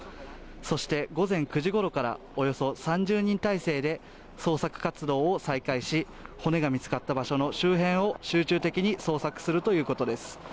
そして、午前９時ごろからおよそ３０人態勢で捜索活動を再開し骨が見つかった場所の周辺を集中的に捜索するということです。